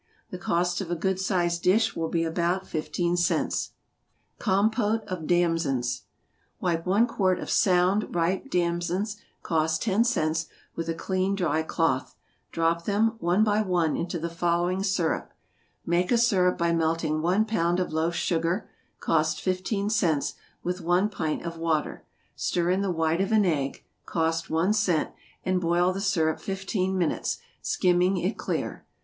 The cost of a good sized dish will be about fifteen cents. =Compôte of Damsons.= Wipe one quart of sound, ripe damsons, (cost ten cents,) with a clean, dry cloth, drop them, one by one into the following syrup: make a syrup by melting one pound of loaf sugar (cost fifteen cents,) with one pint of water, stir in the white of an egg, (cost one cent,) and boil the syrup fifteen minutes, skimming it clear.